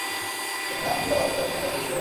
যেখানে আংটিটা পাঠাতে চাও, সেখানকার ছবি তুললেই হবে।